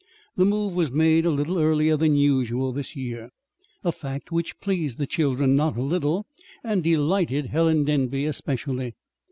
The move was made a little earlier than usual this year, a fact which pleased the children not a little and delighted Helen Denby especially.